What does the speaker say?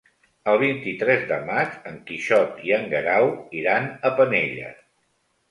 El vint-i-tres de maig en Quixot i en Guerau iran a Penelles.